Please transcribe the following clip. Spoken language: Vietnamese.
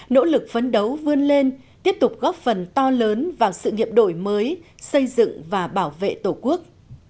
nỗ lực phấn đấu vươn lên tiếp tục góp phần to lớn vào sự nghiệp đổi mới xây dựng và bảo vệ tổ quốc